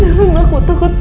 jangan ma aku takut